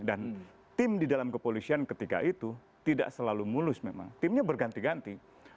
dan tim di dalam kepolisian ketika itu tidak selalu mulus memang timnya berganti ganti